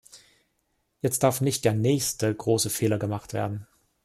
Jetzt darf nicht der nächste große Fehler gemacht werden.